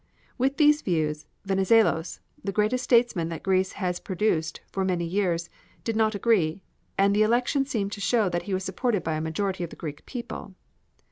With these views Venizelos, the greatest statesman that Greece had produced for many years, did not agree, and the election seemed to show that he was supported by the majority of the Greek people.